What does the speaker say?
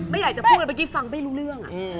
ไม่อยากจะพูดเลยเมื่อกี้ฟังไม่รู้เรื่อง